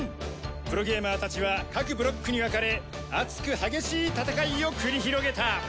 プロゲーマーたちは各ブロックに分かれ熱く激しい戦いを繰り広げた。